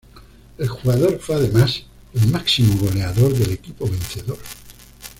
El jugador fue además el máximo goleador del equipo vencedor.